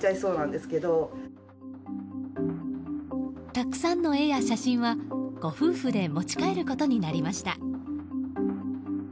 たくさんの絵や写真はご夫婦で持ち帰ることになりました。